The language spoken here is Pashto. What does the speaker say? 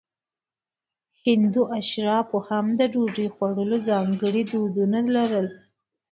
هندو اشرافو هم د ډوډۍ خوړلو ځانګړي دودونه لرل.